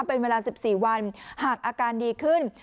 เป็นเวลา๑๔วันหากอาการดีขึ้น